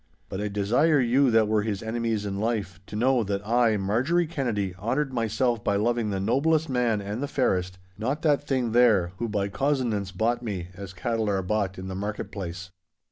But I desire you that were his enemies in life, to know that I, Marjorie Kennedy, honoured myself by loving the noblest man and the fairest—not that thing there, who by cozenance bought me, as cattle are bought in the market place.